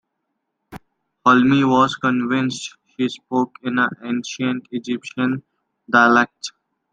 Hulme was convinced she spoke in an ancient Egyptian dialect.